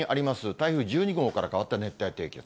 台風１２号から変わった熱帯低気圧。